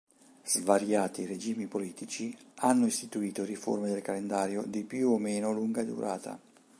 Svariati regimi politici hanno istituito riforme del calendario di più o meno lunga durata.